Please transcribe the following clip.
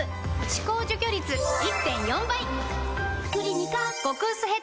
歯垢除去率 １．４ 倍！